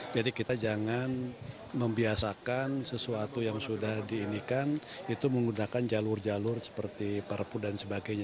kita jangan membiasakan sesuatu yang sudah diindikan itu menggunakan jalur jalur seperti perpu dan sebagainya